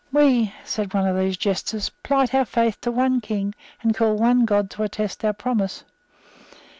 "We," said one of these jesters, "plight our faith to one King, and call one God to attest our promise.